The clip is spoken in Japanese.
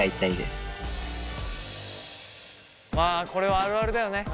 まあこれはあるあるだよね。